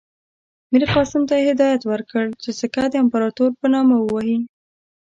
میرقاسم ته یې هدایت ورکړ چې سکه د امپراطور په نامه ووهي.